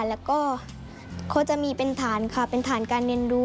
แล้วก็เขาจะมีเป็นฐานค่ะเป็นฐานการเรียนรู้